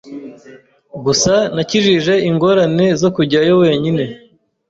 Gusa nakijije ingorane zo kujyayo wenyine.